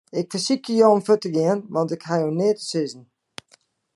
Ik fersykje jo om fuort te gean, want ik haw jo neat te sizzen.